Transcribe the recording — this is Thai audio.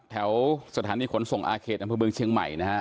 แถวสถานีขนส่งอาเขตอำเภอเมืองเชียงใหม่นะฮะ